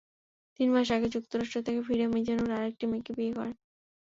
তিন মাস আগে যুক্তরাষ্ট্র থেকে ফিরে মিজানুর আরেকটি মেয়েকে বিয়ে করেন।